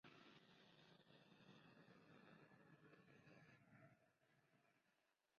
Navarro no está involucrado en el caso.